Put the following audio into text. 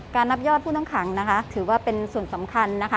การนับยอดผู้ต้องขังถือว่าเป็นส่วนสำคัญ